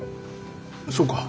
そうか。